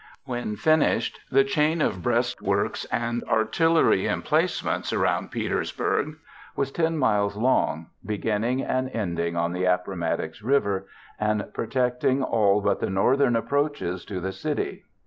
When finished, the chain of breastworks and artillery emplacements around Petersburg was 10 miles long, beginning and ending on the Appomattox River and protecting all but the northern approaches to the city.